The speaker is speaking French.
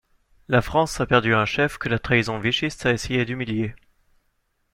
La France a perdu un chef que la trahison vichyste a essayé d'humilier.